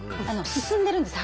進んでるんです